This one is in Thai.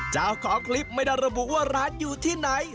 เจ้าของคลิปไม่ได้ระบุว่าร้านอยู่ที่ไหน